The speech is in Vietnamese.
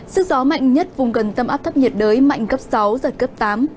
sức gió mạnh nhất vùng gần tâm áp thấp nhiệt đới mạnh cấp sáu giật cấp tám